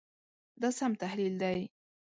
دا سم تحلیل دی.